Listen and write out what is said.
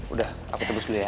udah aku tebus dulu ya